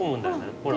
ほら。